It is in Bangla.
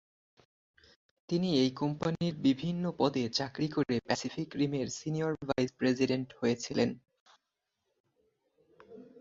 তিনি এই কোম্পানির বিভিন্ন পদে চাকরি করে প্যাসিফিক রিম এর সিনিয়র ভাইস প্রেসিডেন্ট হয়েছিলেন।